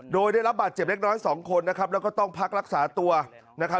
โดยได้รับบาดเจ็บเล็กน้อยสองคนนะครับแล้วก็ต้องพักรักษาตัวนะครับ